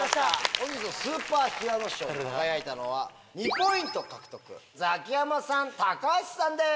本日のスーパー平野賞に輝いたのは２ポイント獲得ザキヤマさん橋さんです。